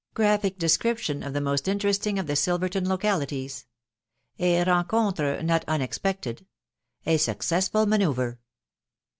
GRAPHIC DESCRIPTION OF THE MOST INTERESTING OF THE 6ILVERTOK LOCALITIES. A RENCONTRE HOT UNEXTECTED. — A SUCCESSFUL L. MANCEUVRE.